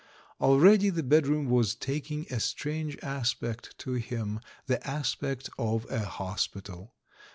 Already the bedroom was taking a strange aspect to him, the aspect of a hospital.